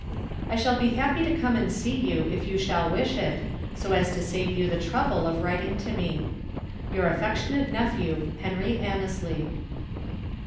"I shall be happy to come and see you if you shall wish it, so as to save you the trouble of writing to me. "Your affectionate nephew, "HENRY ANNESLEY."